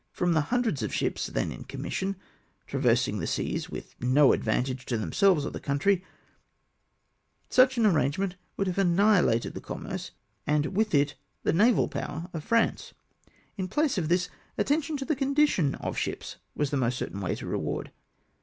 From the hundreds of ships then in commission, traversing the seas with no advantage to themselves or the country, such an arrangement would have annihilated the com merce, and with it the naval power of France. In place of this, attention to the condition of ships was the most certain way to reward.